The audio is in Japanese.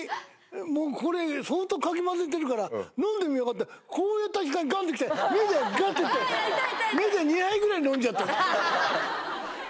もうこれ相当かき混ぜてるから飲んでみようかってこうやった瞬間にガンってきて目にガンってきて目で２杯ぐらい飲んじゃった。